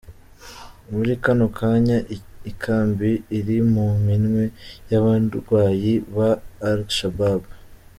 Muri kano kanya, ikambi iri mu minwe y’abarwanyi ba Al-Shabab.